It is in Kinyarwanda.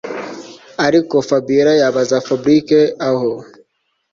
ariko Fabiora yabaza Fabric aho